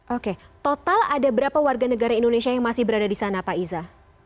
oke total ada berapa warga negara indonesia yang masih berada di sana pak iza